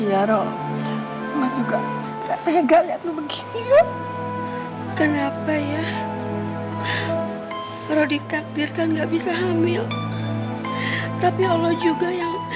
iya roh juga nggak tega lihat begini kenapa ya roh dikatirkan nggak bisa hamil tapi allah juga yang